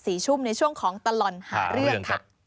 ศรีชุมในช่วงของตลอนหาเรื่อง